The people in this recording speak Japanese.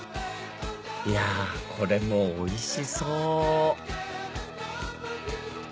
いやこれもおいしそう！